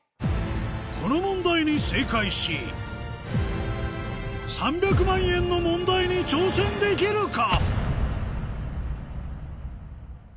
この問題に正解し３００万円の問題に挑戦できるか？